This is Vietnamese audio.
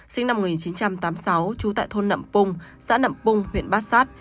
sinh năm một nghìn chín trăm tám mươi sáu trú tại thôn nậm pung xã nậm pung huyện bát sát